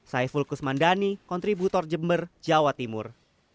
saya fulkus mandani kontributor jember jawa timur